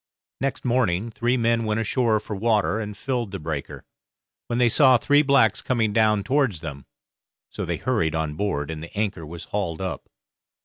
Next morning three men went ashore for water and filled the breaker, when they saw three blacks coming down towards them; so they hurried on board, and the anchor was hauled up.